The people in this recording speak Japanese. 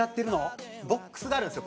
ボックスがあるんですよ